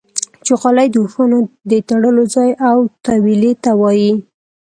چوغالی د اوښانو د تړلو ځای او تویلې ته وايي.